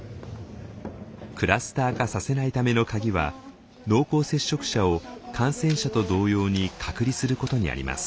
クラスター化させないための鍵は濃厚接触者を感染者と同様に隔離することにあります。